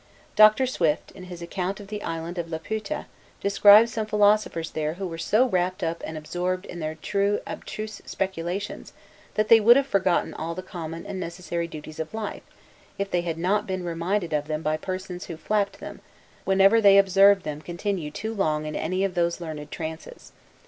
Doctor Swift, in his account of the island of Laputa, describes some philosophers there who were so wrapped up and absorbed in their abstruse speculations, that they would have forgotten all the common and necessary duties of life, if they had not been reminded of them by persons who flapped them, whenever they observed them continue too long in any of those learned trances.